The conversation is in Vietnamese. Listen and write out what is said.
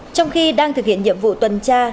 trong khi đang thực hiện nhiệm vụ tuần tra